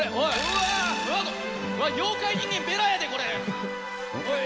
妖怪人間ベラやで、これ。